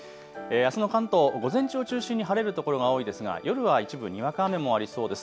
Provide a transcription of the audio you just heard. あすの関東、午前中を中心に晴れる所が多いですが夜は一部にわか雨もありそうです。